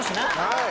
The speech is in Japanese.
はい。